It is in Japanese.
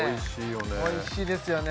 おいしいですよね